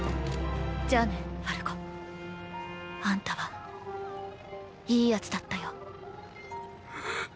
じゃあねファルコ。あんたは良い奴だったよ。